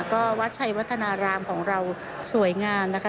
ก็วัดชัยวัฒนารามของเราสวยงามนะคะ